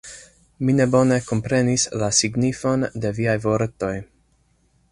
Mi ne bone komprenis la signifon de viaj vortoj.